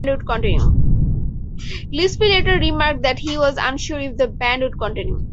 Gillespie later remarked that he was unsure if the band would continue.